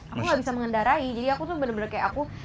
aku gak bisa mengendarai jadi aku tuh bener bener kayak aku